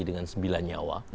dengan sembilan nyawa